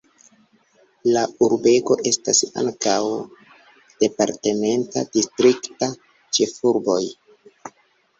La urbego estas ankaŭ departementa distrikta ĉefurboj.